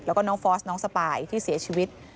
แล้วก็น้องฟอสน้องสปายที่เสียชีวิต